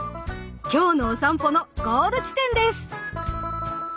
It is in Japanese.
今日のおさんぽのゴール地点です。